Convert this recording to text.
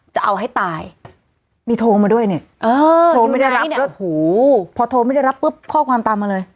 จะเอาให้ตายมีโทรมาด้วยเนี่ยโทรไม่ได้รับเนี่ยโอ้โหพอโทรไม่ได้รับปุ๊บข้อความตามมาเลย